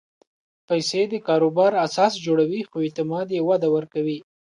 پېسې د کاروبار اساس جوړوي، خو اعتماد یې وده ورکوي.